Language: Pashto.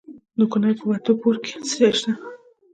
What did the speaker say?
د کونړ په وټه پور کې څه شی شته؟